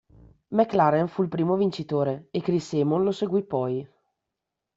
McLaren fu il primo vincitore e Chris Amon lo seguì poi.